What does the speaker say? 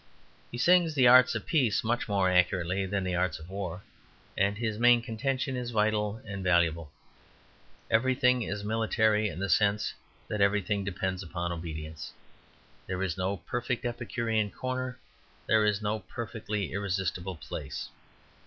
He sings the arts of peace much more accurately than the arts of war. And his main contention is vital and valuable. Every thing is military in the sense that everything depends upon obedience. There is no perfectly epicurean corner; there is no perfectly irresponsible place.